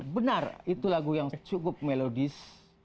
benar itu lagu yang cukup melodis